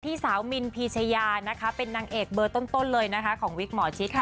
ที่สาวมินพีชญาเป็นนางเอกเบอร์ต้นเลยของวิกหมอชิต